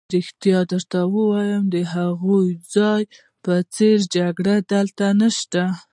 که رښتیا درته ووایم، د هغه ځای په څېر جګړې دلته نشته.